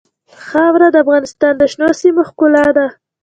خاوره د افغانستان د شنو سیمو ښکلا ده.